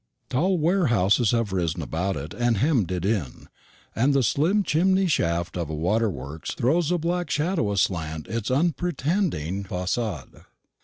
Tall warehouses have arisen about it and hemmed it in, and the slim chimney shaft of a waterworks throws a black shadow aslant its unpretending facade.